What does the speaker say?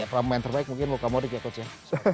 pemain terbaik mungkin luka modric ya coach ya